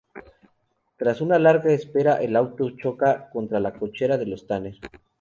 Tras una larga espera el auto choca contra la cochera de los Tanner.